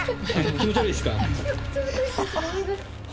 気持ち悪いです。